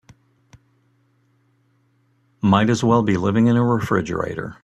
Might as well be living in a refrigerator.